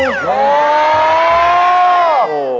โอ้โห